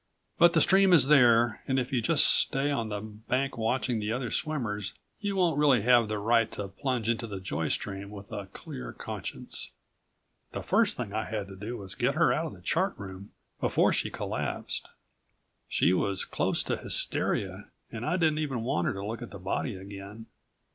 But the stream is there, and if you just stay on the bank watching the other swimmers you won't really have the right to plunge into the joy stream with a clear conscience. The first thing I had to do was get her out of the Chart Room before she collapsed. She was close to hysteria and I didn't even want her to look at the body again.